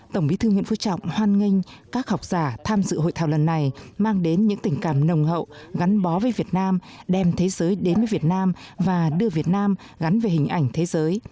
tổng bí thư nguyễn phú trọng hoan nghênh các học giả tham dự hội thảo lần này mang đến những tình cảm nồng hậu gắn bó với việt nam đem thế giới đến với việt nam và đưa việt nam gắn về hình ảnh thế giới